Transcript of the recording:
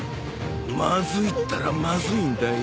まずいったらまずいんだよ。